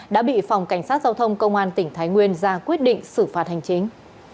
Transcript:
đã bị phòng cảnh sát giao thông công an tỉnh thái nguyên ra quyết định xử phạt hành chính